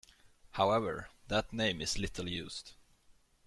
However, that name is little used.